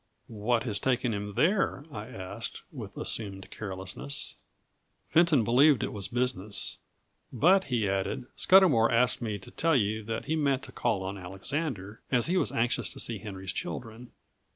"What has taken him there?" I asked, with assumed carelessness. Fenton believed it was business; "but," he added, "Scudamour asked me to tell you that he meant to call on Alexander, as he was anxious to see Henry's children."